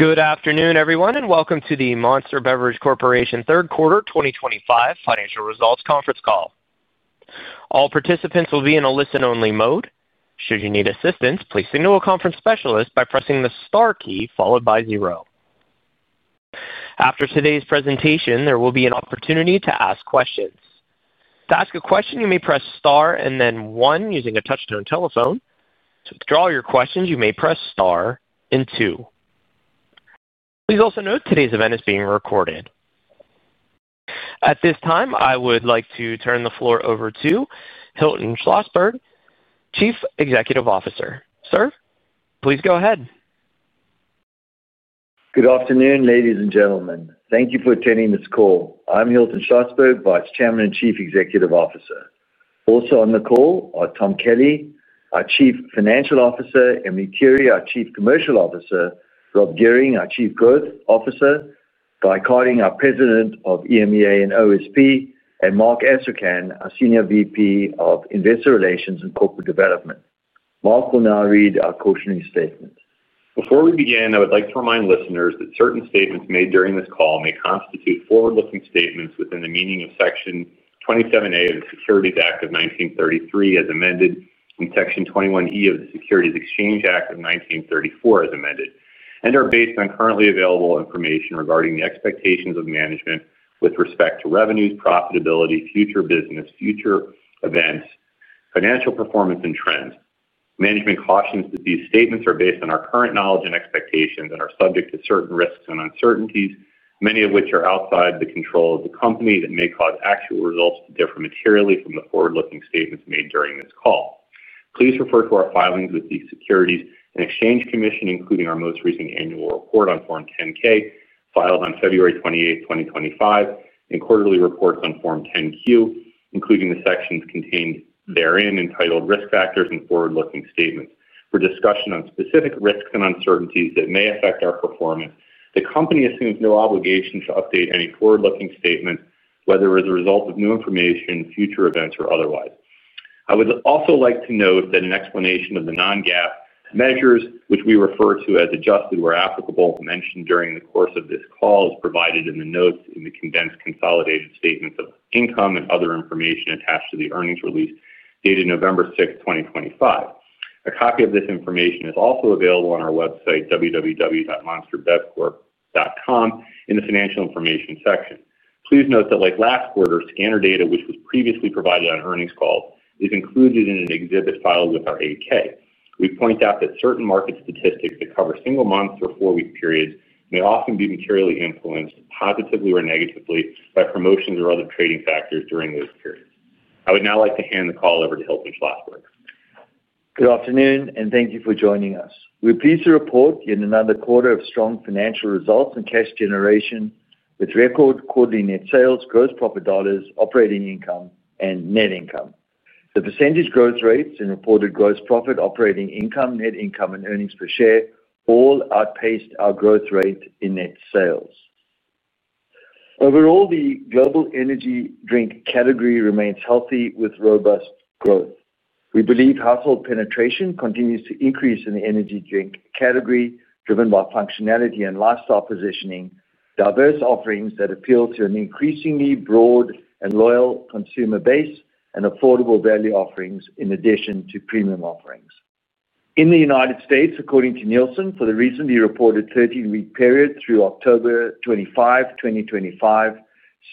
Good afternoon, everyone, and welcome to the Monster Beverage Corporation Third Quarter 2025 Financial Results Conference Call. All participants will be in a listen-only mode. Should you need assistance, please signal a conference specialist by pressing the star key followed by zero. After today's presentation, there will be an opportunity to ask questions. To ask a question, you may press star and then one using a touch-tone telephone. To withdraw your questions, you may press star and two. Please also note today's event is being recorded. At this time, I would like to turn the floor over to Hilton Schlosberg, Chief Executive Officer. Sir, please go ahead. Good afternoon, ladies and gentlemen. Thank you for attending this call. I'm Hilton Schlosberg, Vice Chairman and Chief Executive Officer. Also on the call are Tom Kelly, our Chief Financial Officer; Emelie Tirre, our Chief Commercial Officer; Rob Gehring, our Chief Growth Officer; Guy Carling, our President of EMEA and OSP; and Marc Astrachan, our Senior VP of Investor Relations and Corporate Development. Marc will now read our cautionary statement. Before we begin, I would like to remind listeners that certain statements made during this call may constitute forward-looking statements within the meaning of Section 27A of the Securities Act of 1933, as amended, and Section 21E of the Securities Exchange Act of 1934, as amended, and are based on currently available information regarding the expectations of management with respect to revenues, profitability, future business, future events, financial performance, and trends. Management cautions that these statements are based on our current knowledge and expectations and are subject to certain risks and uncertainties, many of which are outside the control of the company, that may cause actual results to differ materially from the forward-looking statements made during this call. Please refer to our filings with the Securities and Exchange Commission, including our most recent annual report on Form 10-K filed on February 28, 2025, and quarterly reports on Form 10-Q, including the sections contained therein entitled Risk Factors and Forward-Looking Statements, for discussion on specific risks and uncertainties that may affect our performance. The company assumes no obligation to update any forward-looking statement, whether as a result of new information, future events, or otherwise. I would also like to note that an explanation of the non-GAAP measures, which we refer to as adjusted where applicable, mentioned during the course of this call is provided in the notes in the condensed consolidated statements of income and other information attached to the earnings release dated November 6, 2025. A copy of this information is also available on our website, www.monsterbevcorp.com, in the Financial Information section. Please note that, like last quarter, scanner data, which was previously provided on earnings calls, is included in an exhibit filed with our AK. We point out that certain market statistics that cover single-month or four-week periods may often be materially influenced positively or negatively by promotions or other trading factors during those periods. I would now like to hand the call over to Hilton Schlosberg. Good afternoon, and thank you for joining us. We're pleased to report yet another quarter of strong financial results and cash generation with record quarterly net sales, gross profit dollars, operating income, and net income. The % growth rates in reported gross profit, operating income, net income, and earnings per share all outpaced our growth rate in net sales. Overall, the global energy drink category remains healthy with robust growth. We believe household penetration continues to increase in the energy drink category, driven by functionality and lifestyle positioning, diverse offerings that appeal to an increasingly broad and loyal consumer base, and affordable value offerings in addition to premium offerings. In the U.S., according to Nielsen, for the recently reported 13-week period through October 25, 2025.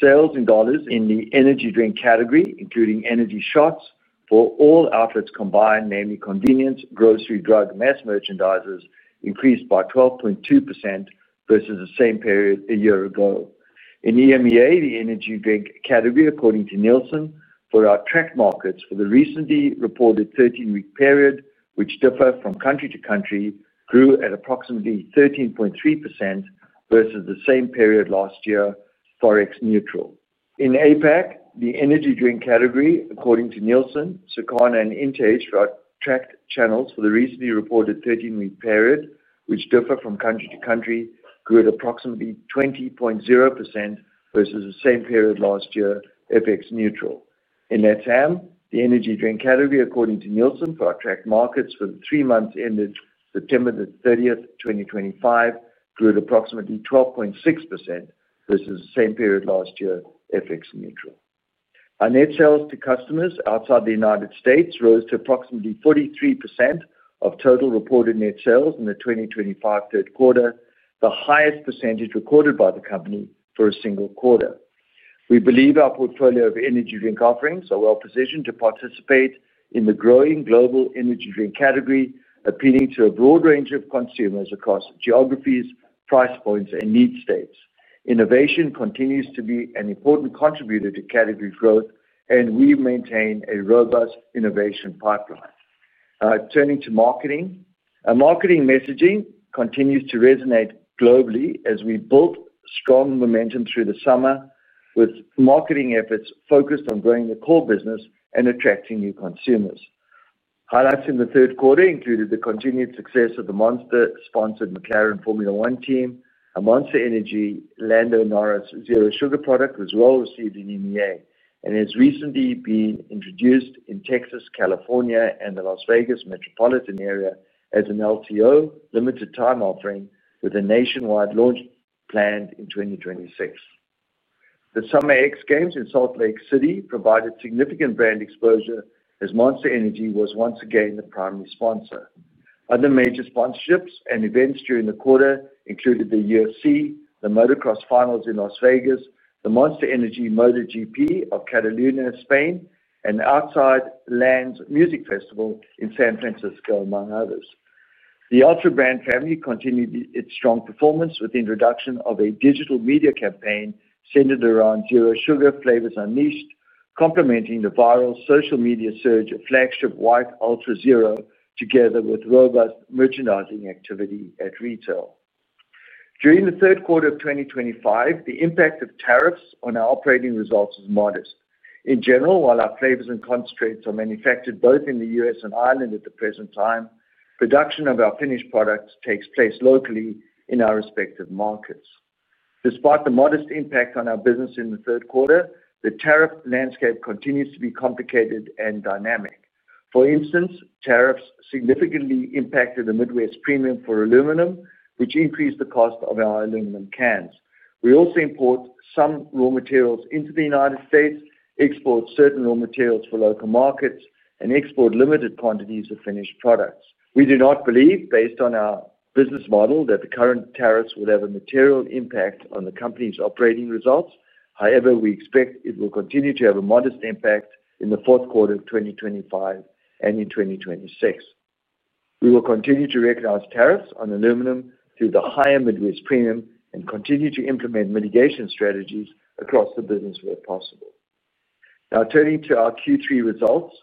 Sales in dollars in the energy drink category, including energy shots, for all outlets combined, namely convenience, grocery, drug, and mass merchandisers, increased by 12.2% versus the same period a year ago. In EMEA, the energy drink category, according to Nielsen, for our tracked markets for the recently reported 13-week period, which differ from country to country, grew at approximately 13.3% versus the same period last year, FX neutral. In APAC, the energy drink category, according to Nielsen, Sakana and Intage for our tracked channels for the recently reported 13-week period, which differ from country to country, grew at approximately 20.0% versus the same period last year, FX neutral. In LATAM, the energy drink category, according to Nielsen, for our tracked markets for the three months ended September 30, 2025, grew at approximately 12.6% versus the same period last year, FX neutral. Our net sales to customers outside the U.S. rose to approximately 43% of total reported net sales in the 2025 third quarter, the highest percentage recorded by the company for a single quarter. We believe our portfolio of energy drink offerings are well-positioned to participate in the growing global energy drink category, appealing to a broad range of consumers across geographies, price points, and needs states. Innovation continues to be an important contributor to category growth, and we maintain a robust innovation pipeline. Turning to marketing, our marketing messaging continues to resonate globally as we built strong momentum through the summer with marketing efforts focused on growing the core business and attracting new consumers. Highlights in the third quarter included the continued success of the Monster-sponsored McLaren Formula One team, a Monster Energy Lando Norris Zero Sugar product was well-received in EMEA, and has recently been introduced in Texas, California, and the Las Vegas metropolitan area as an LTO limited-time offering with a nationwide launch planned in 2026. The summer X Games in Salt Lake City provided significant brand exposure as Monster Energy was once again the primary sponsor. Other major sponsorships and events during the quarter included the UFC, the Motocross Finals in Las Vegas, the Monster Energy MotoGP of Cataluna, Spain, and the Outside Lands music festival in San Francisco, among others. The Ultra-brand family continued its strong performance with the introduction of a digital media campaign centered around Zero Sugar, flavors unleashed, complementing the viral social media surge of flagship White Ultra Zero together with robust merchandising activity at retail. During the third quarter of 2025, the impact of tariffs on our operating results is modest. In general, while our flavors and concentrates are manufactured both in the U.S. and Ireland at the present time, production of our finished products takes place locally in our respective markets. Despite the modest impact on our business in the third quarter, the tariff landscape continues to be complicated and dynamic. For instance, tariffs significantly impacted the Midwest premium for aluminum, which increased the cost of our aluminum cans. We also import some raw materials into the United States, export certain raw materials for local markets, and export limited quantities of finished products. We do not believe, based on our business model, that the current tariffs will have a material impact on the company's operating results. However, we expect it will continue to have a modest impact in the fourth quarter of 2025 and in 2026. We will continue to recognize tariffs on aluminum through the higher Midwest premium and continue to implement mitigation strategies across the business where possible. Now, turning to our Q3 results,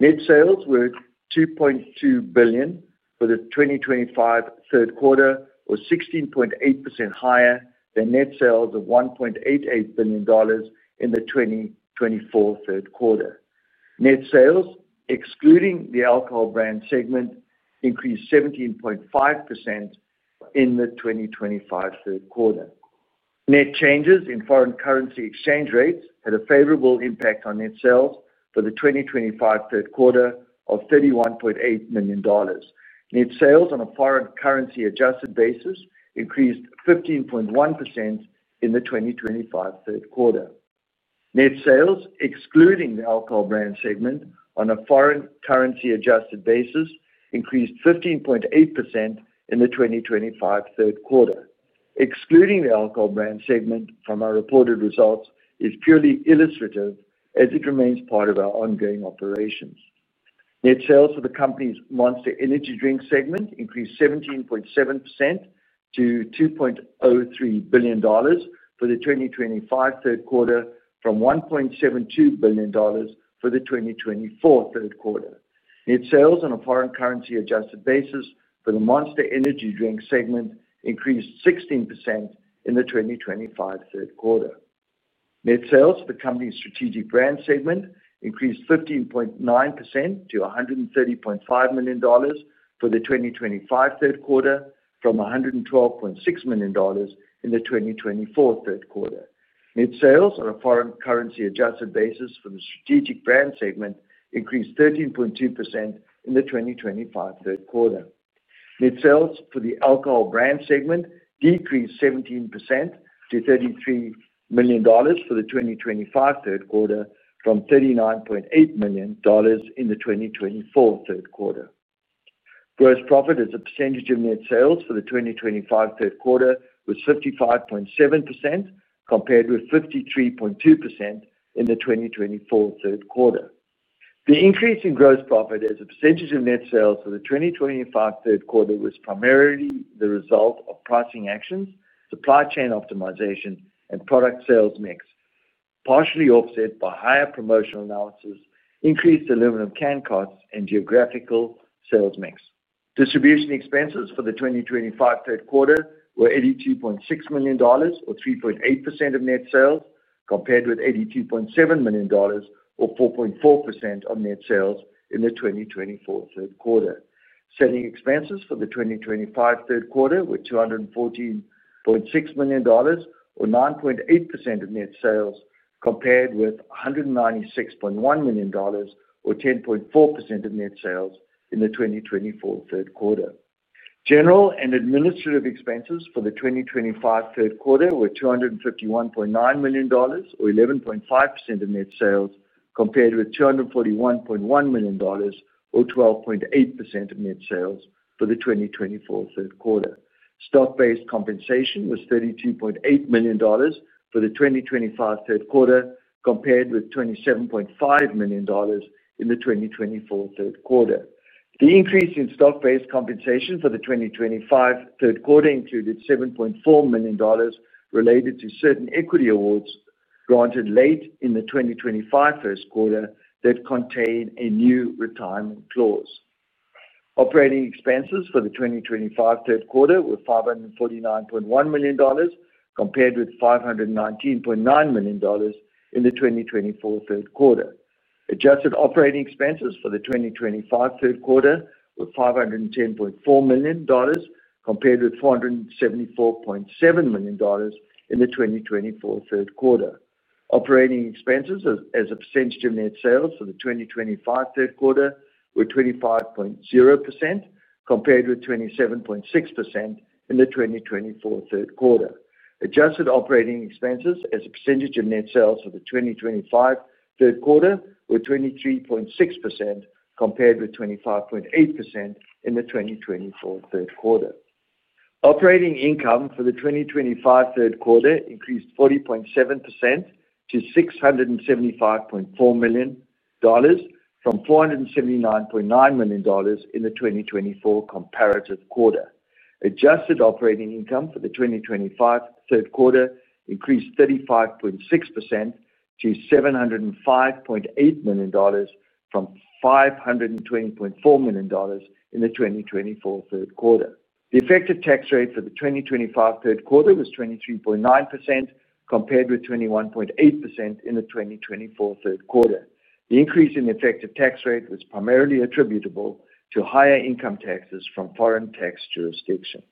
net sales were $2.2 billion for the 2025 third quarter, or 16.8% higher than net sales of $1.88 billion in the 2024 third quarter. Net sales, excluding the alcohol brand segment, increased 17.5% in the 2025 third quarter. Net changes in foreign currency exchange rates had a favorable impact on net sales for the 2025 third quarter of $31.8 million. Net sales on a foreign currency-adjusted basis increased 15.1% in the 2025 third quarter. Net sales, excluding the alcohol brand segment on a foreign currency-adjusted basis, increased 15.8% in the 2025 third quarter. Excluding the alcohol brand segment from our reported results is purely illustrative as it remains part of our ongoing operations. Net sales for the company's Monster Energy Drink segment increased 17.7% to $2.03 billion for the 2025 third quarter from $1.72 billion for the 2024 third quarter. Net sales on a foreign currency-adjusted basis for the Monster Energy Drink segment increased 16% in the 2025 third quarter. Net sales for the company's Strategic Brand segment increased 15.9% to $130.5 million for the 2025 third quarter from $112.6 million in the 2024 third quarter. Net sales on a foreign currency-adjusted basis for the Strategic Brand segment increased 13.2% in the 2025 third quarter. Net sales for the alcohol brand segment decreased 17% to $33 million for the 2025 third quarter from $39.8 million in the 2024 third quarter. Gross profit as a percentage of net sales for the 2025 third quarter was 55.7% compared with 53.2% in the 2024 third quarter. The increase in gross profit as a percentage of net sales for the 2025 third quarter was primarily the result of pricing actions, supply chain optimization, and product sales mix, partially offset by higher promotional analysis, increased aluminum can costs, and geographical sales mix. Distribution expenses for the 2025 third quarter were $82.6 million, or 3.8% of net sales, compared with $82.7 million, or 4.4% of net sales in the 2024 third quarter. Selling expenses for the 2025 third quarter were $214.6 million, or 9.8% of net sales, compared with $196.1 million, or 10.4% of net sales in the 2024 third quarter. General and administrative expenses for the 2025 third quarter were $251.9 million, or 11.5% of net sales, compared with $241.1 million, or 12.8% of net sales for the 2024 third quarter. Stock-based compensation was $32.8 million for the 2025 third quarter, compared with $27.5 million in the 2024 third quarter. The increase in stock-based compensation for the 2025 third quarter included $7.4 million related to certain equity awards granted late in the 2025 first quarter that contain a new retirement clause. Operating expenses for the 2025 third quarter were $549.1 million, compared with $519.9 million in the 2024 third quarter. Adjusted operating expenses for the 2025 third quarter were $510.4 million, compared with $474.7 million in the 2024 third quarter. Operating expenses as a percentage of net sales for the 2025 third quarter were 25.0% compared with 27.6% in the 2024 third quarter. Adjusted operating expenses as a percentage of net sales for the 2025 third quarter were 23.6% compared with 25.8% in the 2024 third quarter. Operating income for the 2025 third quarter increased 40.7% to $675.4 million from $479.9 million in the 2024 comparative quarter. Adjusted operating income for the 2025 third quarter increased 35.6% to $705.8 million from $520.4 million in the 2024 third quarter. The effective tax rate for the 2025 third quarter was 23.9% compared with 21.8% in the 2024 third quarter. The increase in the effective tax rate was primarily attributable to higher income taxes from foreign tax jurisdictions.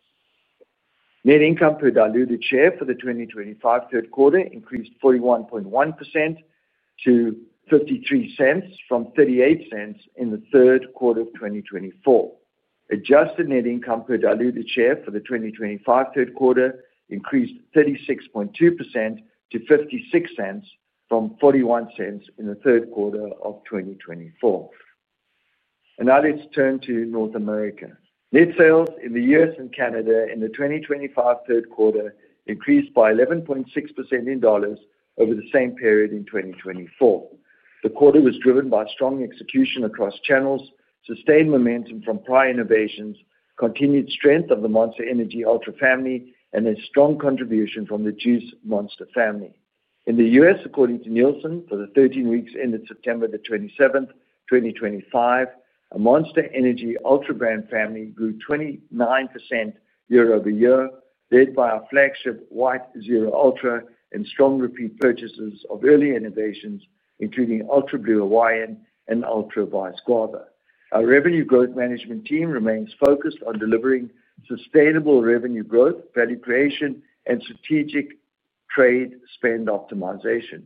Net income per diluted share for the 2025 third quarter increased 41.1% to 53 cents from 38 cents in the third quarter of 2024. Adjusted net income per diluted share for the 2025 third quarter increased 36.2% to $0.56 from $0.41 in the third quarter of 2024. Now let's turn to North America. Net sales in the U.S. and Canada in the 2025 third quarter increased by 11.6% in dollars over the same period in 2024. The quarter was driven by strong execution across channels, sustained momentum from prior innovations, continued strength of the Monster Energy Ultra family, and a strong contribution from the Juice Monster family. In the U.S., according to Nielsen, for the 13 weeks ended September 27, 2025, the Monster Energy Ultra brand family grew 29% year-over-year, led by our flagship White Zero Ultra and strong repeat purchases of early innovations, including Ultra Blue Hawaiian and Ultra Vice Guarda. Our revenue growth management team remains focused on delivering sustainable revenue growth, value creation, and strategic trade spend optimization.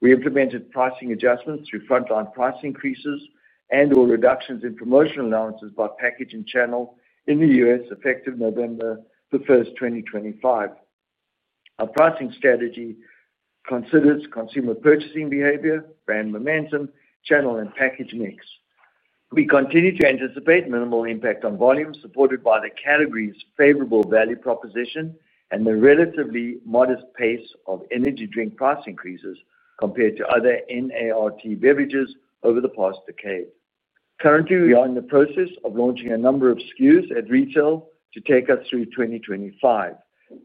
We implemented pricing adjustments through frontline price increases and/or reductions in promotional allowances by package and channel in the U.S. effective November 1, 2025. Our pricing strategy considers consumer purchasing behavior, brand momentum, channel, and package mix. We continue to anticipate minimal impact on volume, supported by the category's favorable value proposition and the relatively modest pace of energy drink price increases compared to other NARTD beverages over the past decade. Currently, we are in the process of launching a number of SKUs at retail to take us through 2025.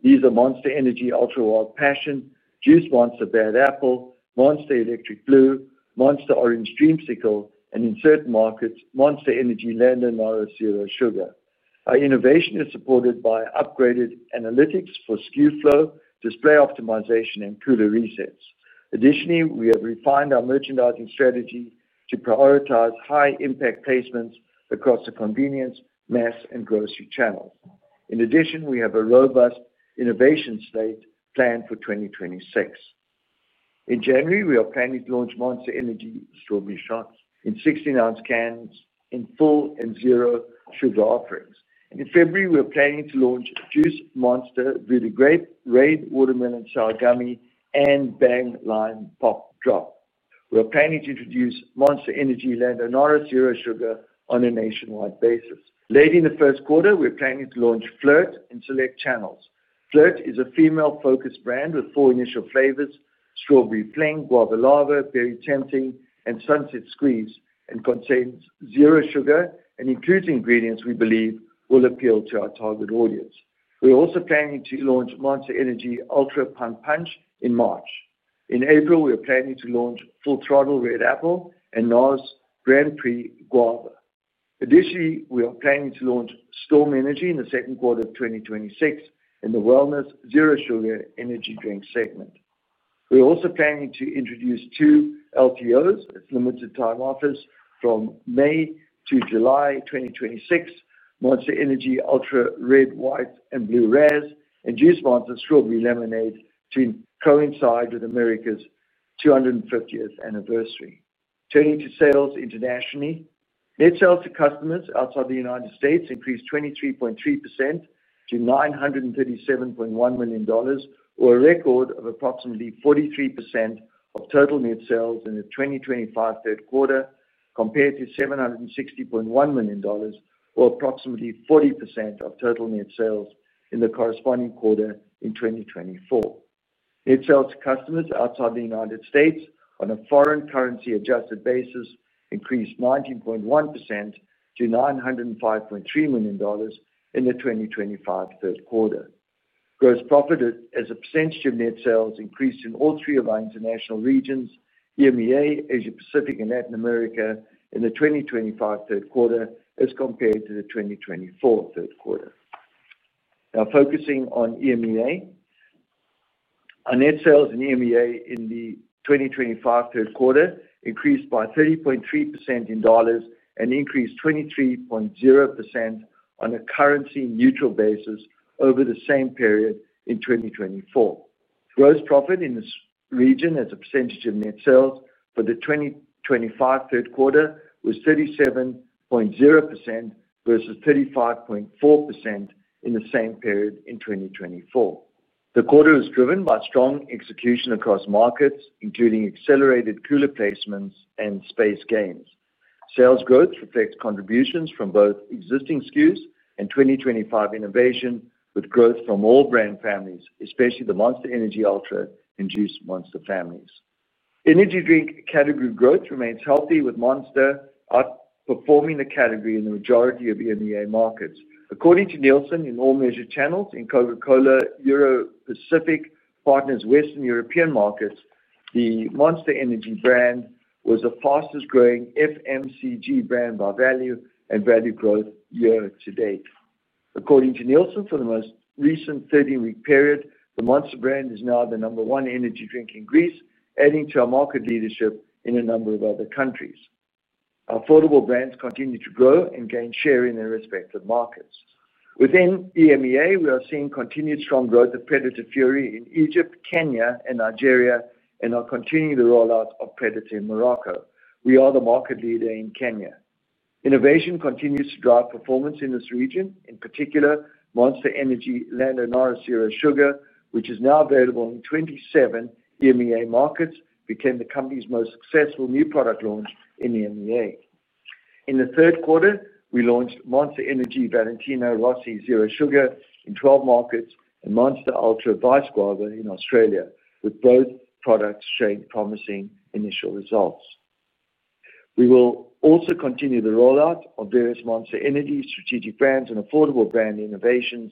These are Monster Energy Ultra Wild Passion, Juice Monster Bad Apple, Monster Electric Blue, Monster Orange Dream Cycle, and in certain markets, Monster Energy Lando Norris Zero Sugar. Our innovation is supported by upgraded analytics for SKU flow, display optimization, and cooler resets. Additionally, we have refined our merchandising strategy to prioritize high-impact placements across the convenience, mass, and grocery channels. In addition, we have a robust innovation slate planned for 2026. In January, we are planning to launch Monster Energy Strawberry Shots in 16-ounce cans in full and zero sugar offerings. In February, we are planning to launch Juice Monster Beauty Grape, Rain Watermelon, Sour Gummy, and Bang Lime Pop Drop. We are planning to introduce Monster Energy Lando Norris Zero Sugar on a nationwide basis. Late in the first quarter, we are planning to launch Flirt in select channels. Flirt is a female-focused brand with four initial flavors: Strawberry Fling, Guava Lava, Berry Tempting, and Sunset Squeeze, and contains zero sugar and includes ingredients we believe will appeal to our target audience. We are also planning to launch Monster Energy Ultra Punk Punch in March. In April, we are planning to launch Full Throttle Red Apple and NOS Grand Prix Guava. Additionally, we are planning to launch Storm Energy in the second quarter of 2026 in the Wellness Zero Sugar energy drink segment. We are also planning to introduce two LTOs, Limited Time Offers, from May to July 2026: Monster Energy Ultra Red, White, and Blue Raz, and Juice Monster Strawberry Lemonade to coincide with America's 250th anniversary. Turning to sales internationally, net sales to customers outside the U.S. increased 23.3% to $937.1 million, or a record of approximately 43% of total net sales in the 2025 third quarter, compared to $760.1 million, or approximately 40% of total net sales in the corresponding quarter in 2024. Net sales to customers outside the United States on a foreign currency-adjusted basis increased 19.1% to $905.3 million in the 2025 third quarter. Gross profit, as a percentage of net sales, increased in all three of our international regions: EMEA, Asia Pacific, and Latin America in the 2025 third quarter as compared to the 2024 third quarter. Now, focusing on EMEA. Our net sales in EMEA in the 2025 third quarter increased by 30.3% in dollars and increased 23.0% on a currency-neutral basis over the same period in 2024. Gross profit in this region, as a percentage of net sales for the 2025 third quarter, was 37.0% versus 35.4% in the same period in 2024. The quarter was driven by strong execution across markets, including accelerated cooler placements and space gains. Sales growth reflects contributions from both existing SKUs and 2025 innovation, with growth from all brand families, especially the Monster Energy Ultra and Juice Monster families. Energy drink category growth remains healthy, with Monster outperforming the category in the majority of EMEA markets. According to Nielsen, in all measured channels in Coca-Cola Europacific Partners' Western European markets, the Monster Energy brand was the fastest-growing FMCG brand by value and value growth year to date. According to Nielsen, for the most recent 13-week period, the Monster brand is now the number one energy drink in Greece, adding to our market leadership in a number of other countries. Our affordable brands continue to grow and gain share in their respective markets. Within EMEA, we are seeing continued strong growth of Predator Fury in Egypt, Kenya, and Nigeria, and are continuing the rollout of Predator in Morocco. We are the market leader in Kenya. Innovation continues to drive performance in this region. In particular, Monster Energy Lando Norris Zero Sugar, which is now available in 27 EMEA markets, became the company's most successful new product launch in EMEA. In the third quarter, we launched Monster Energy Valentino Rossi Zero Sugar in 12 markets and Monster Energy Ultra Vice Guarda in Australia, with both products showing promising initial results. We will also continue the rollout of various Monster Energy strategic brands and affordable brand innovations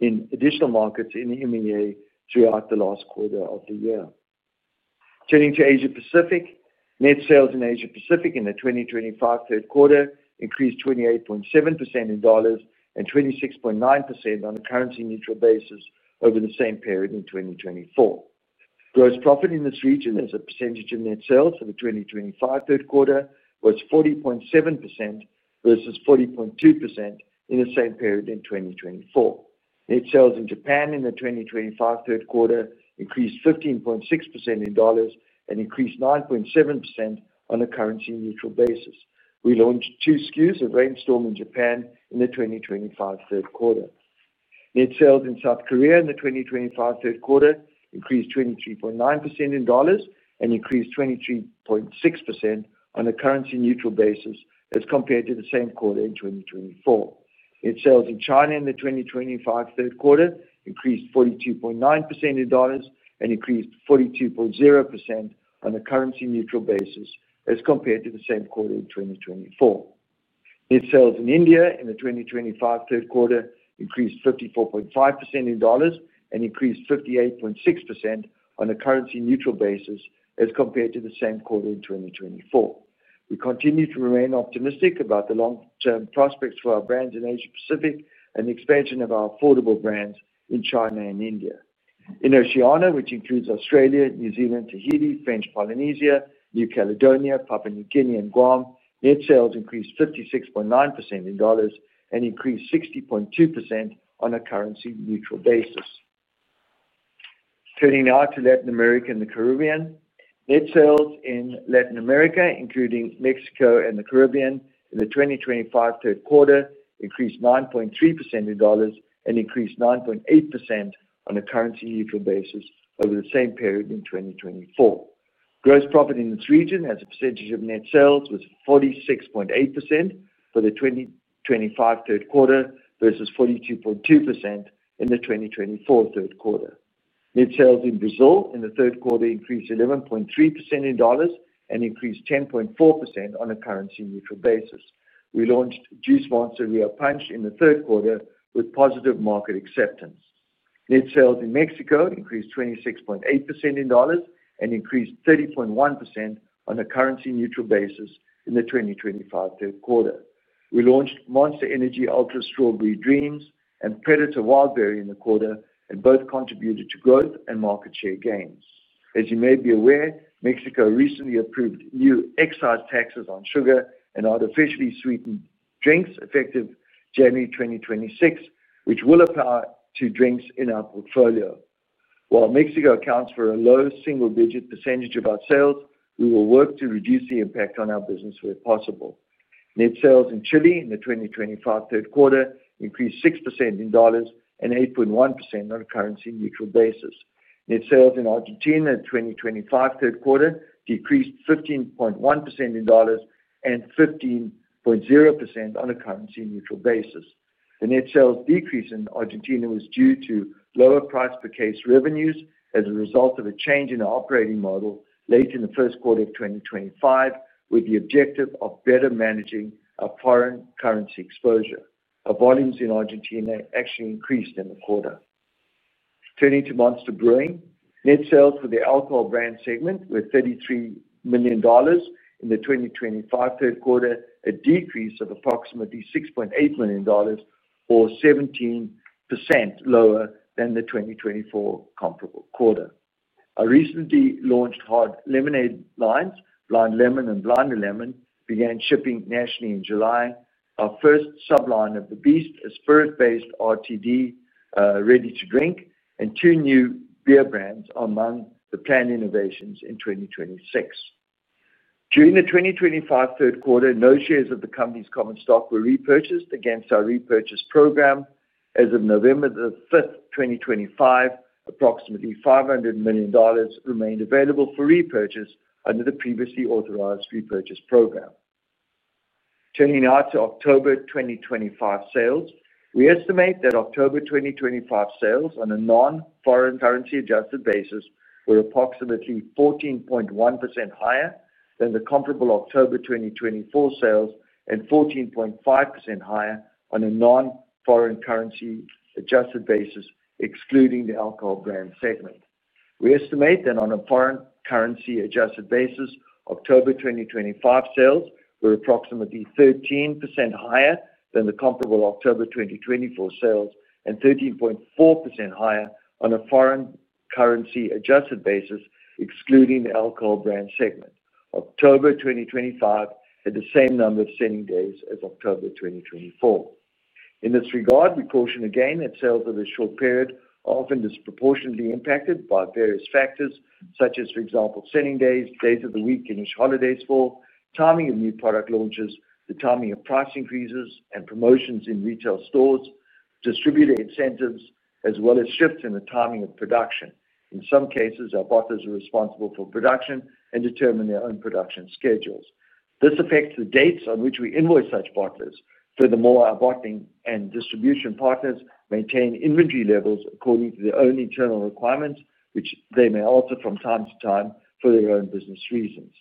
in additional markets in EMEA throughout the last quarter of the year. Turning to Asia Pacific, net sales in Asia Pacific in the 2025 third quarter increased 28.7% in dollars and 26.9% on a currency-neutral basis over the same period in 2024. Gross profit in this region, as a percentage of net sales for the 2025 third quarter, was 40.7% versus 40.2% in the same period in 2024. Net sales in Japan in the 2025 third quarter increased 15.6% in dollars and increased 9.7% on a currency-neutral basis. We launched two SKUs of Rainstorm in Japan in the 2025 third quarter. Net sales in South Korea in the 2025 third quarter increased 23.9% in dollars and increased 23.6% on a currency-neutral basis as compared to the same quarter in 2024. Net sales in China in the 2025 third quarter increased 42.9% in dollars and increased 42.0% on a currency-neutral basis as compared to the same quarter in 2024. Net sales in India in the 2025 third quarter increased 54.5% in dollars and increased 58.6% on a currency-neutral basis as compared to the same quarter in 2024. We continue to remain optimistic about the long-term prospects for our brands in Asia Pacific and the expansion of our affordable brands in China and India. In Oceania, which includes Australia, New Zealand, Tahiti, French Polynesia, New Caledonia, Papua New Guinea, and Guam, net sales increased 56.9% in dollars and increased 60.2% on a currency-neutral basis. Turning now to Latin America and the Caribbean, net sales in Latin America, including Mexico and the Caribbean, in the 2025 third quarter increased 9.3% in dollars and increased 9.8% on a currency-neutral basis over the same period in 2024. Gross profit in this region, as a percentage of net sales, was 46.8% for the 2025 third quarter versus 42.2% in the 2024 third quarter. Net sales in Brazil in the third quarter increased 11.3% in dollars and increased 10.4% on a currency-neutral basis. We launched Juice Monster Real Punch in the third quarter with positive market acceptance. Net sales in Mexico increased 26.8% in dollars and increased 30.1% on a currency-neutral basis in the 2025 third quarter. We launched Monster Energy Ultra Strawberry Dreams and Predator Wildberry in the quarter, and both contributed to growth and market share gains. As you may be aware, Mexico recently approved new excise taxes on sugar and artificially sweetened drinks effective January 2026, which will apply to drinks in our portfolio. While Mexico accounts for a low single-digit percentage of our sales, we will work to reduce the impact on our business where possible. Net sales in Chile in the 2025 third quarter increased 6% in dollars and 8.1% on a currency-neutral basis. Net sales in Argentina in the 2025 third quarter decreased 15.1% in dollars and 15.0% on a currency-neutral basis. The net sales decrease in Argentina was due to lower price per case revenues as a result of a change in our operating model late in the first quarter of 2025, with the objective of better managing our foreign currency exposure. Our volumes in Argentina actually increased in the quarter. Turning to Monster Brewing, net sales for the alcohol brand segment were $33 million in the 2025 third quarter, a decrease of approximately $6.8 million, or 17% lower than the 2024 comparable quarter. Our recently launched hard lemonade lines, Blind Lemon and Blind Lemon, began shipping nationally in July. Our first subline of the Beast, a spirit-based RTD, and two new beer brands are among the planned innovations in 2026. During the 2025 third quarter, no shares of the company's common stock were repurchased against our repurchase program. As of November 5, 2025, approximately $500 million remained available for repurchase under the previously authorized repurchase program. Turning now to October 2025 sales, we estimate that October 2025 sales on a non-foreign currency-adjusted basis were approximately 14.1% higher than the comparable October 2024 sales and 14.5% higher on a non-foreign currency-adjusted basis, excluding the alcohol brand segment. We estimate that on a foreign currency-adjusted basis, October 2025 sales were approximately 13% higher than the comparable October 2024 sales and 13.4% higher on a foreign currency-adjusted basis, excluding the alcohol brand segment. October 2025 had the same number of selling days as October 2024. In this regard, we caution again that sales over a short period are often disproportionately impacted by various factors such as, for example, selling days, days of the week in which holidays fall, timing of new product launches, the timing of price increases, and promotions in retail stores, distributor incentives, as well as shifts in the timing of production. In some cases, our bottlers are responsible for production and determine their own production schedules. This affects the dates on which we invoice such bottlers. Furthermore, our bottling and distribution partners maintain inventory levels according to their own internal requirements, which they may alter from time to time for their own business reasons.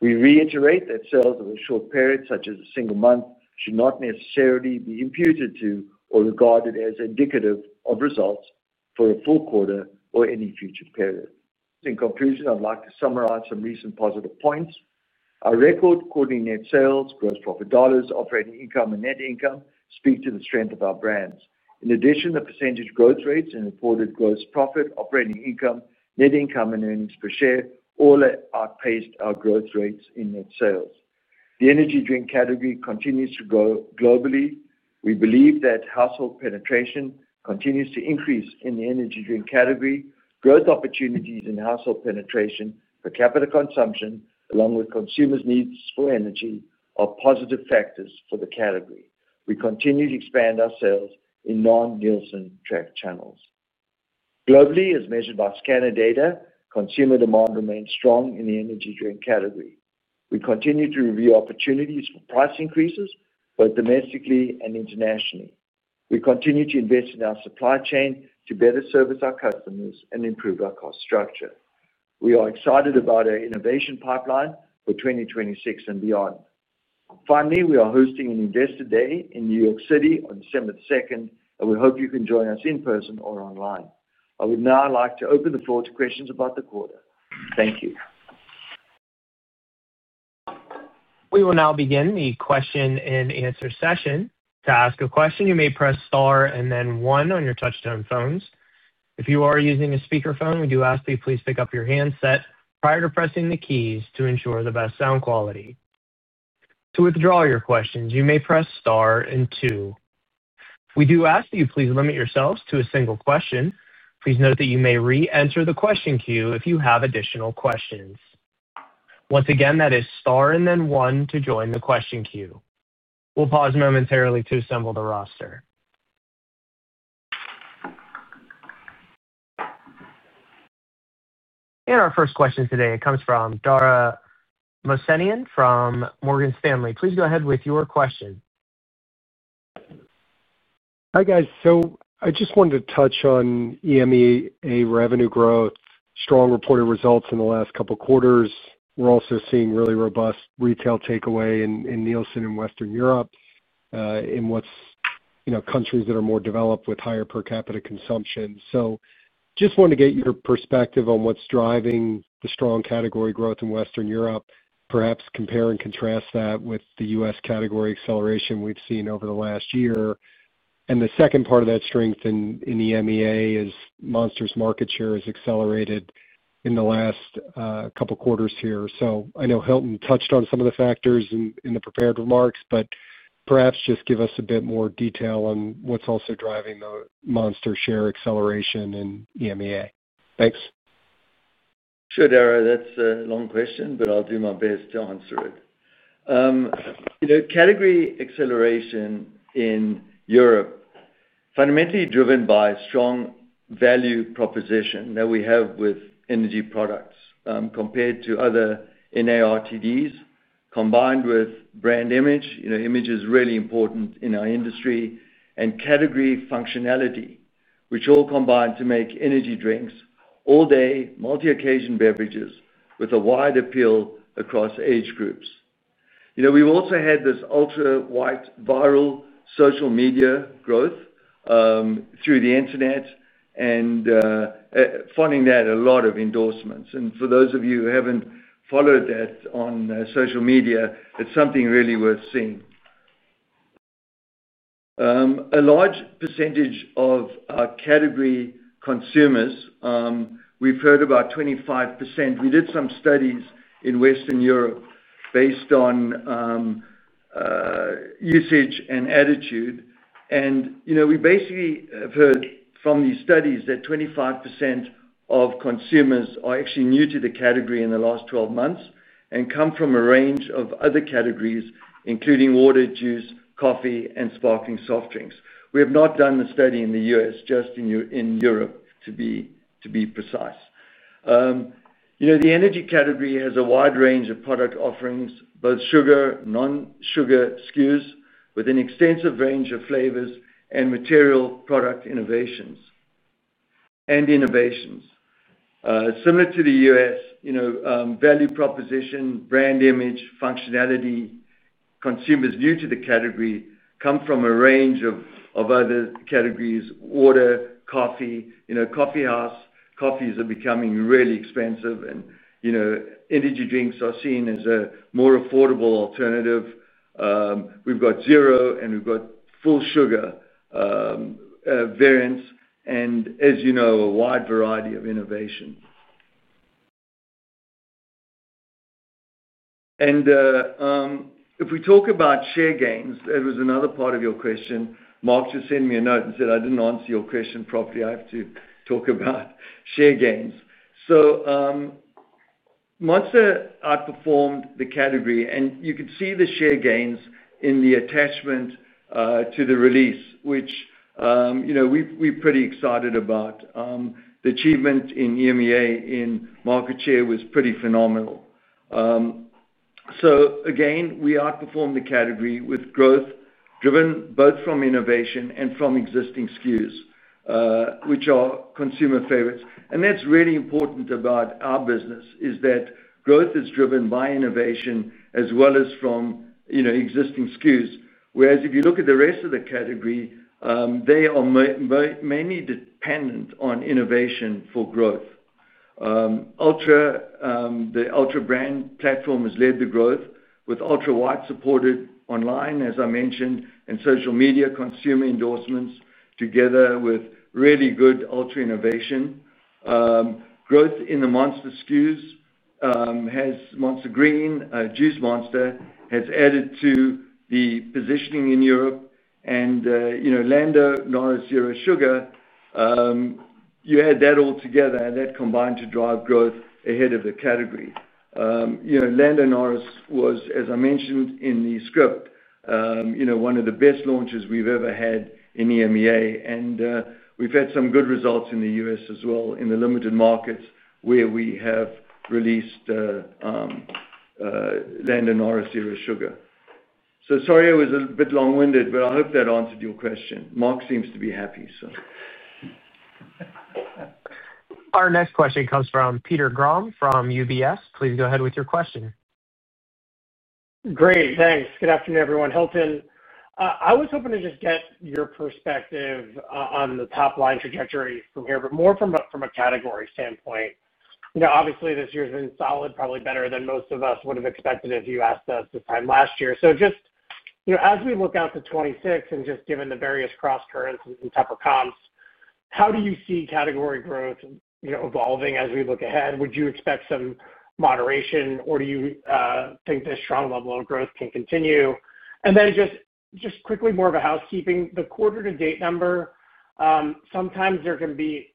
We reiterate that sales over a short period, such as a single month, should not necessarily be imputed to or regarded as indicative of results for a full quarter or any future period. In conclusion, I'd like to summarize some recent positive points. Our record, quarterly net sales, gross profit dollars, operating income, and net income speak to the strength of our brands. In addition, the percentage growth rates in reported gross profit, operating income, net income, and earnings per share all outpaced our growth rates in net sales. The energy drink category continues to grow globally. We believe that household penetration continues to increase in the energy drink category. Growth opportunities in household penetration for capital consumption, along with consumers' needs for energy, are positive factors for the category. We continue to expand our sales in non-Nielsen tracked channels. Globally, as measured by Scanner data, consumer demand remains strong in the energy drink category. We continue to review opportunities for price increases, both domestically and internationally. We continue to invest in our supply chain to better service our customers and improve our cost structure. We are excited about our innovation pipeline for 2026 and beyond. Finally, we are hosting an Investor Day in New York City on December the 2nd, and we hope you can join us in person or online. I would now like to open the floor to questions about the quarter. Thank you. We will now begin the question and answer session. To ask a question, you may press star and then one on your touch-tone phones. If you are using a speakerphone, we do ask that you please pick up your handset prior to pressing the keys to ensure the best sound quality. To withdraw your questions, you may press star and two. We do ask that you please limit yourselves to a single question. Please note that you may re-enter the question queue if you have additional questions. Once again, that is star and then one to join the question queue. We'll pause momentarily to assemble the roster. Our first question today, it comes from Dara Mohsenian from Morgan Stanley. Please go ahead with your question. Hi guys. I just wanted to touch on EMEA revenue growth, strong reported results in the last couple of quarters. We're also seeing really robust retail takeaway in Nielsen and Western Europe. In countries that are more developed with higher per capita consumption. I just wanted to get your perspective on what's driving the strong category growth in Western Europe, perhaps compare and contrast that with the U.S. category acceleration we've seen over the last year. The second part of that strength in EMEA is Monster's market share has accelerated in the last couple of quarters here. I know Hilton touched on some of the factors in the prepared remarks, but perhaps just give us a bit more detail on what's also driving the Monster share acceleration in EMEA. Thanks. Sure, Dara. That's a long question, but I'll do my best to answer it. Category acceleration in Europe. Fundamentally driven by strong value proposition that we have with energy products compared to other NARTDs, combined with brand image, image is really important in our industry, and category functionality, which all combine to make energy drinks all-day, multi-occasion beverages with a wide appeal across age groups. We've also had this ultra-wide viral social media growth through the internet and funding that a lot of endorsements. For those of you who have not followed that on social media, it is something really worth seeing. A large percentage of our category consumers, we have heard about 25%. We did some studies in Western Europe based on usage and attitude, and we basically have heard from these studies that 25% of consumers are actually new to the category in the last 12 months and come from a range of other categories, including water, juice, coffee, and sparkling soft drinks. We have not done the study in the U.S., just in Europe, to be precise. The energy category has a wide range of product offerings, both sugar, non-sugar SKUs, with an extensive range of flavors and material product innovations. Similar to the U.S., value proposition, brand image, functionality, consumers new to the category come from a range of other categories: water, coffee. Coffee house coffees are becoming really expensive, and energy drinks are seen as a more affordable alternative. We've got zero, and we've got full sugar variants, and as you know, a wide variety of innovation. If we talk about share gains, that was another part of your question. Mark just sent me a note and said, "I didn't answer your question properly. I have to talk about share gains." Monster outperformed the category, and you could see the share gains in the attachment to the release, which we are pretty excited about. The achievement in EMEA in market share was pretty phenomenal. We outperformed the category with growth driven both from innovation and from existing SKUs, which are consumer favorites. That is really important about our business, that growth is driven by innovation as well as from existing SKUs. Whereas if you look at the rest of the category, they are mainly dependent on innovation for growth. The Ultra brand platform has led the growth with Ultra White supported online, as I mentioned, and social media consumer endorsements together with really good Ultra innovation. Growth in the Monster SKUs. Monster Green, Juice Monster, has added to the positioning in Europe. Lando Norris Zero Sugar. You add that all together, and that combined to drive growth ahead of the category. Lando Norris was, as I mentioned in the script, one of the best launches we've ever had in EMEA. We have had some good results in the U.S. as well in the limited markets where we have released Lando Norris Zero Sugar. Sorry, I was a bit long-winded, but I hope that answered your question. Mark seems to be happy, so. Our next question comes from Peter Grom from UBS. Please go ahead with your question. Great. Thanks. Good afternoon, everyone. Hilton, I was hoping to just get your perspective on the top line trajectory from here, but more from a category standpoint. Obviously, this year has been solid, probably better than most of us would have expected if you asked us this time last year. Just as we look out to 2026 and just given the various cross currents and type of comps, how do you see category growth evolving as we look ahead? Would you expect some moderation, or do you think this strong level of growth can continue? Then just quickly, more of a housekeeping, the quarter-to-date number. Sometimes there can be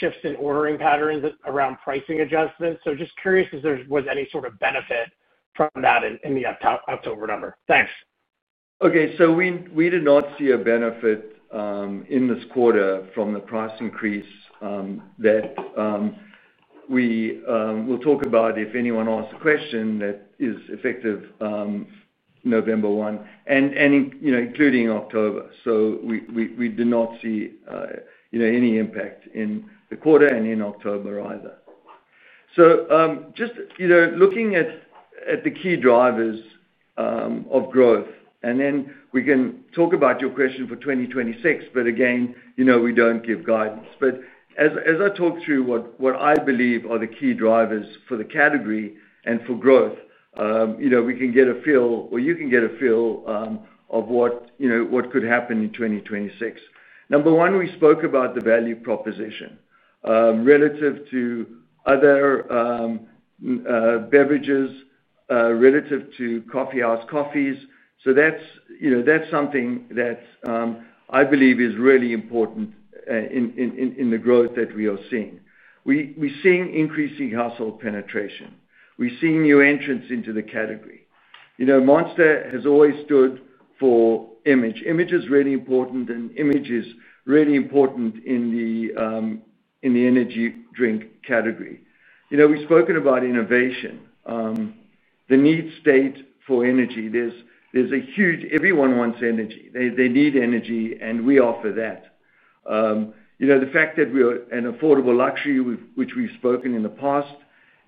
shifts in ordering patterns around pricing adjustments. Just curious if there was any sort of benefit from that in the October number. Thanks. Okay. We did not see a benefit in this quarter from the price increase. That, we'll talk about if anyone asks a question, that is effective November 1, including October. We did not see any impact in the quarter and in October either. Just looking at the key drivers of growth, and then we can talk about your question for 2026, but again, we do not give guidance. As I talk through what I believe are the key drivers for the category and for growth, we can get a feel, or you can get a feel of what could happen in 2026. Number one, we spoke about the value proposition relative to other beverages, relative to coffee house coffees. That is something that I believe is really important in the growth that we are seeing. We are seeing increasing household penetration. We are seeing new entrants into the category. Monster has always stood for image. Image is really important, and image is really important in the energy drink category. We've spoken about innovation. The need state for energy. There's a huge everyone wants energy. They need energy, and we offer that. The fact that we're an affordable luxury, which we've spoken in the past,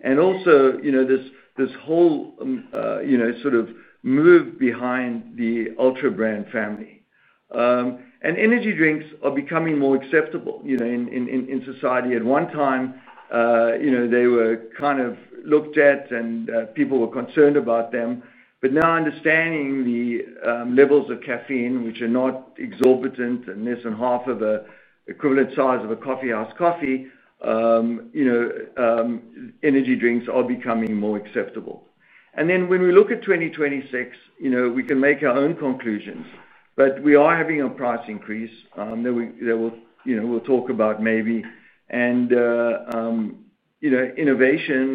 and also this whole sort of move behind the Ultra brand family. Energy drinks are becoming more acceptable in society. At one time, they were kind of looked at, and people were concerned about them. Now, understanding the levels of caffeine, which are not exorbitant, and less than half of an equivalent size of a coffee house coffee, energy drinks are becoming more acceptable. When we look at 2026, we can make our own conclusions, but we are having a price increase that we'll talk about maybe. Innovation,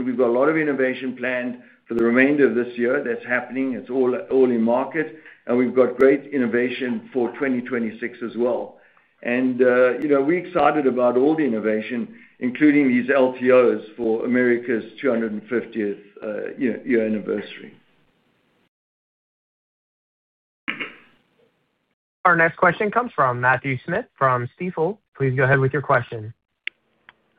we've got a lot of innovation planned for the remainder of this year that's happening. It's all in market, and we've got great innovation for 2026 as well. We're excited about all the innovation, including these LTOs for America's 250th year anniversary. Our next question comes from Matthew Smith from Stifel. Please go ahead with your question.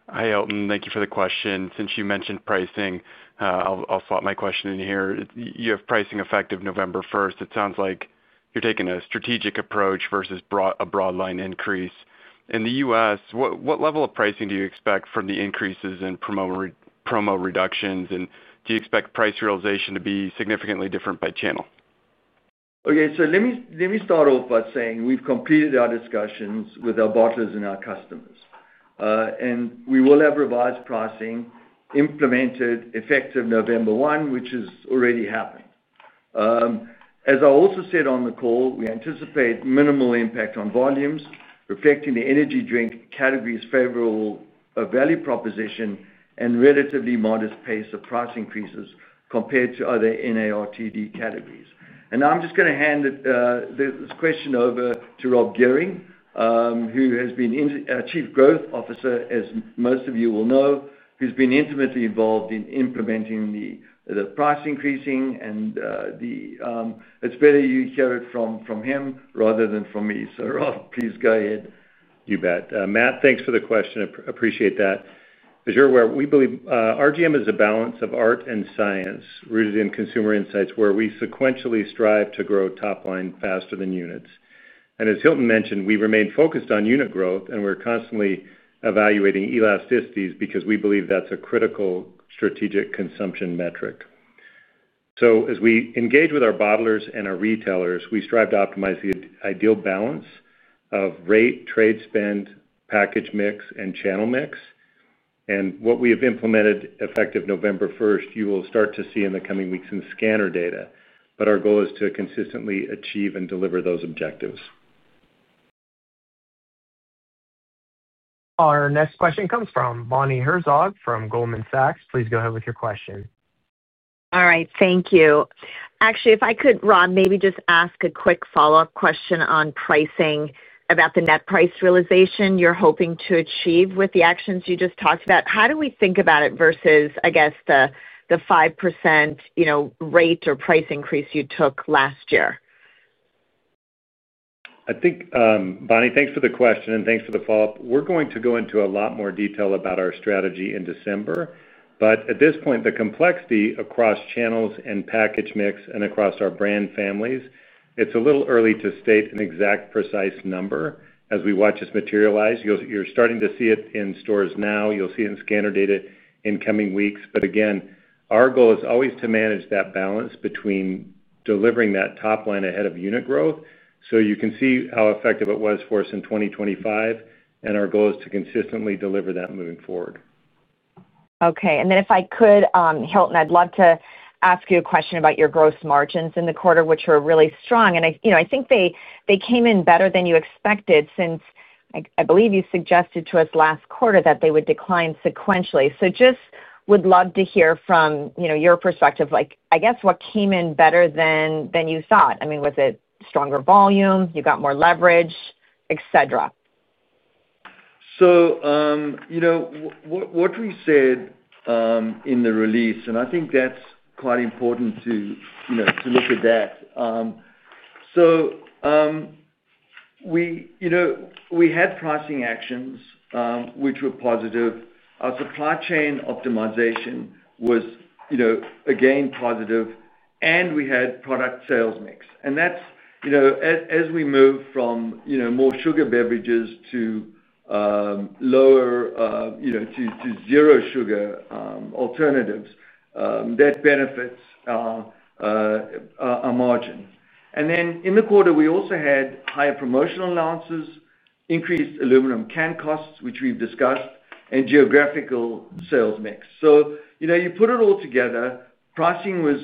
Hi, Hilton. Thank you for the question. Since you mentioned pricing, I'll swap my question in here. You have pricing effective November 1st. It sounds like you're taking a strategic approach versus a broad line increase. In the U.S., what level of pricing do you expect from the increases in promo reductions, and do you expect price realization to be significantly different by channel? Okay. Let me start off by saying we've completed our discussions with our bottlers and our customers. We will have revised pricing implemented effective November 1, which has already happened. As I also said on the call, we anticipate minimal impact on volumes, reflecting the energy drink category's favorable value proposition and relatively modest pace of price increases compared to other NARTD categories. I'm just going to hand this question over to Rob Gehring, who has been our Chief Growth Officer, as most of you will know, who's been intimately involved in implementing the price increasing and the. It's better you hear it from him rather than from me. Rob, please go ahead. You bet. Matt, thanks for the question. Appreciate that. As you're aware, we believe RGM is a balance of art and science rooted in consumer insights where we sequentially strive to grow top line faster than units. As Hilton mentioned, we remain focused on unit growth, and we're constantly evaluating elasticities because we believe that's a critical strategic consumption metric. As we engage with our bottlers and our retailers, we strive to optimize the ideal balance of rate, trade spend, package mix, and channel mix. What we have implemented effective November 1, you will start to see in the coming weeks in scanner data. Our goal is to consistently achieve and deliver those objectives. Our next question comes from Bonnie Herzog from Goldman Sachs. Please go ahead with your question. All right. Thank you. Actually, if I could, Rod, maybe just ask a quick follow-up question on pricing about the net price realization you're hoping to achieve with the actions you just talked about. How do we think about it versus, I guess, the 5% rate or price increase you took last year? I think, Bonnie, thanks for the question, and thanks for the follow-up. We're going to go into a lot more detail about our strategy in December. At this point, the complexity across channels and package mix and across our brand families, it's a little early to state an exact precise number as we watch this materialize. You're starting to see it in stores now. You'll see it in scanner data in coming weeks. Our goal is always to manage that balance between delivering that top line ahead of unit growth so you can see how effective it was for us in 2025. Our goal is to consistently deliver that moving forward. Okay. If I could, Hilton, I'd love to ask you a question about your gross margins in the quarter, which are really strong. I think they came in better than you expected since I believe you suggested to us last quarter that they would decline sequentially. I would love to hear from your perspective, I guess, what came in better than you thought. I mean, was it stronger volume? You got more leverage, etc.? What we said in the release, and I think that's quite important to look at that. We had pricing actions, which were positive. Our supply chain optimization was again positive, and we had product sales mix. As we move from more sugar beverages to lower to zero sugar alternatives, that benefits our margin. In the quarter, we also had higher promotional allowances, increased aluminum can costs, which we've discussed, and geographical sales mix. You put it all together, pricing was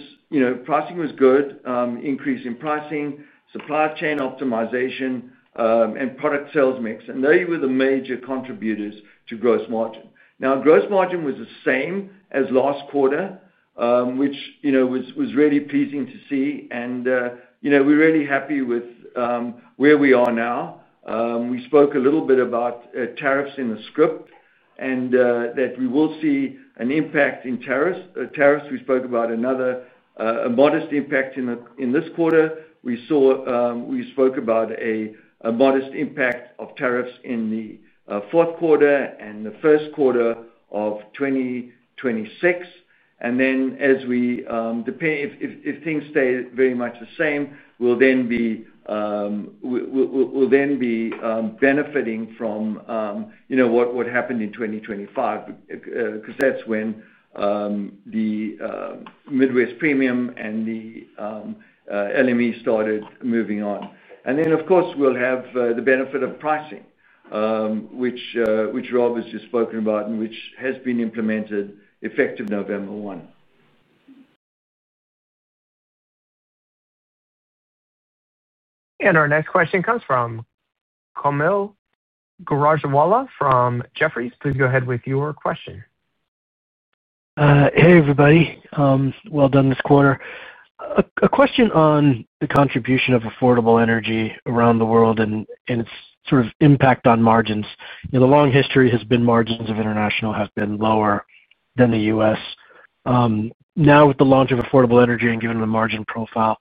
good, increase in pricing, supply chain optimization, and product sales mix. They were the major contributors to gross margin. Gross margin was the same as last quarter, which was really pleasing to see. We are really happy with where we are now. We spoke a little bit about tariffs in the script and that we will see an impact in tariffs. We spoke about another modest impact in this quarter. We spoke about a modest impact of tariffs in the fourth quarter and the first quarter of 2026. If things stay very much the same, we will then be benefiting from what happened in 2025 because that is when the Midwest premium and the LME started moving on. Of course, we will have the benefit of pricing, which Rob has just spoken about and which has been implemented effective November 1. Our next question comes from Carmel Garajwala from Jefferies. Please go ahead with your question. Hey, everybody. Well done this quarter. A question on the contribution of affordable energy around the world and its sort of impact on margins. The long history has been margins of international have been lower than the U.S. Now, with the launch of affordable energy and given the margin profile,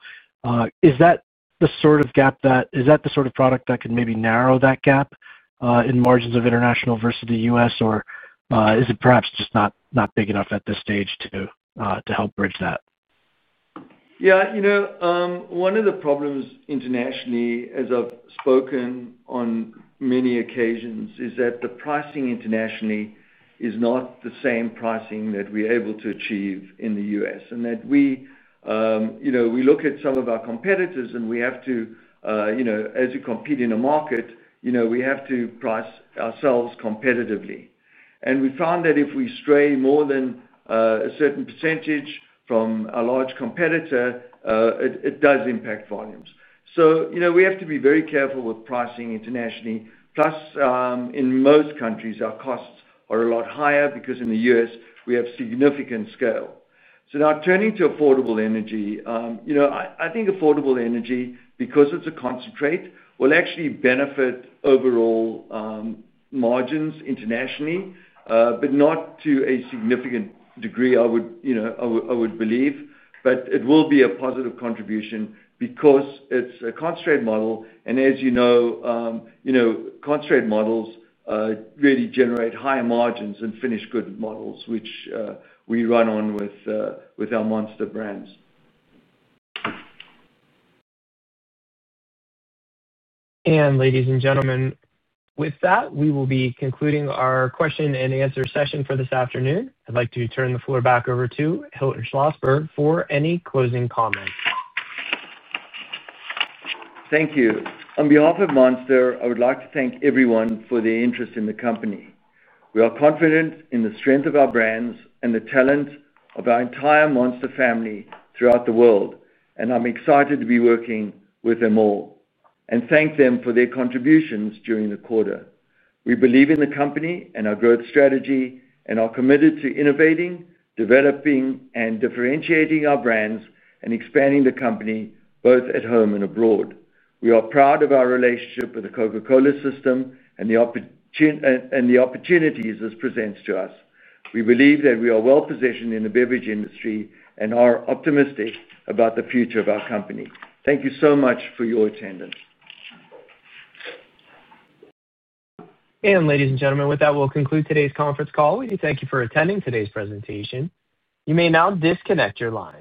is that the sort of gap that is that the sort of product that can maybe narrow that gap in margins of international versus the U.S., or is it perhaps just not big enough at this stage to help bridge that? Yeah. One of the problems internationally, as I've spoken on many occasions, is that the pricing internationally is not the same pricing that we're able to achieve in the U.S. and that we look at some of our competitors, and we have to. As we compete in a market, we have to price ourselves competitively. We found that if we stray more than a certain percentage from a large competitor, it does impact volumes. We have to be very careful with pricing internationally. Plus, in most countries, our costs are a lot higher because in the U.S., we have significant scale. Now, turning to affordable energy, I think affordable energy, because it's a concentrate, will actually benefit overall margins internationally, but not to a significant degree, I would believe. It will be a positive contribution because it's a concentrate model. As you know, concentrate models really generate higher margins than finished goods models, which we run on with our Monster brands. Ladies and gentlemen, with that, we will be concluding our question and answer session for this afternoon. I'd like to turn the floor back over to Hilton Schlosberg for any closing comments. Thank you. On behalf of Monster, I would like to thank everyone for their interest in the company. We are confident in the strength of our brands and the talent of our entire Monster family throughout the world, and I'm excited to be working with them all and thank them for their contributions during the quarter. We believe in the company and our growth strategy and are committed to innovating, developing, and differentiating our brands and expanding the company both at home and abroad. We are proud of our relationship with the Coca-Cola system and the opportunities this presents to us. We believe that we are well-positioned in the beverage industry and are optimistic about the future of our company. Thank you so much for your attendance. Ladies and gentlemen, with that, we'll conclude today's conference call. We thank you for attending today's presentation. You may now disconnect your lines.